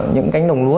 những cánh đồng lúa